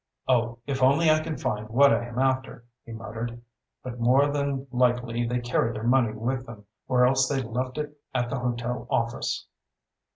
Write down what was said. "Oh, if only I can find what I am after," he muttered. "But more than likely they carry their money with them, or else they left it at the hotel office."